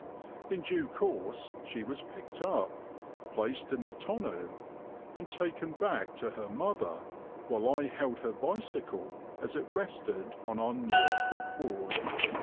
In due course she was picked up, placed in the tonneau, and taken back to her mother, while I held her bicycle as it rested on our near foot board.